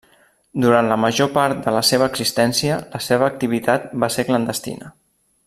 Durant la major part de la seva existència la seva activitat va ser clandestina.